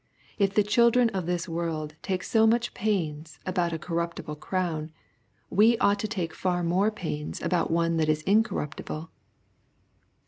If the children of this world take so much pains about a corruptible crown, we ought to take far more pains about one that is incorruptible.